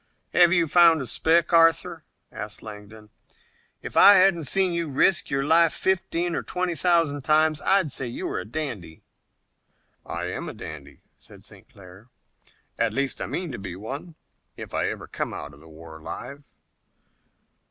"Have you found a speck, Arthur?" asked Langdon. "If I hadn't seen you risk your life fifteen or twenty thousand times I'd say you're a dandy." "I am a dandy," said St. Clair. "At least, I mean to be one, if I come out of the war alive."